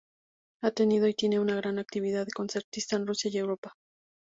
Ha tenido y tiene una gran actividad concertista en Rusia y Europa.